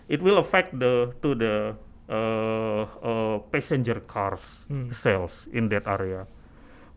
itu akan mengalami jualan mobil pesawat di area itu